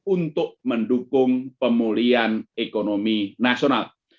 untuk mendukung pemulihan ekonomi nasional